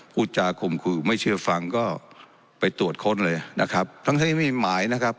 พูดจาข่มขู่ไม่เชื่อฟังก็ไปตรวจค้นเลยนะครับทั้งที่ไม่มีหมายนะครับ